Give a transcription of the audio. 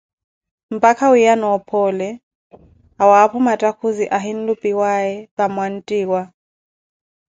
mpakha wiiyana ophoole, awaapho mattakhuzi ahinlupiwaaye vamwanttiwa.